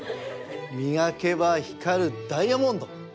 みがけばひかるダイヤモンド！